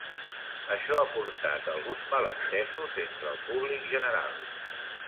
Això ha portat a alguns malentesos entre el públic general.